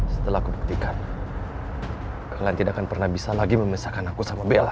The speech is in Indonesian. setelah aku buktikan kalian tidak akan pernah bisa lagi memisahkan aku sama bella